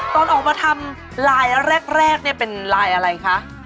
เสร็จครับตอนออกมาทำลายแรกเป็นลายอะไรคะ